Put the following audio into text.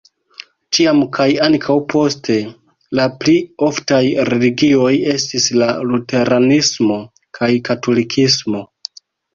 Tiam kaj ankaŭ poste la pli oftaj religioj estis la luteranismo kaj katolikismo.